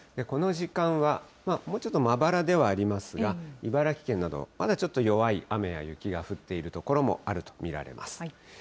この時間は、もうちょっとまばらではありますが、茨城県など、まだちょっと弱い雨や雪が降っている所もあると見られます。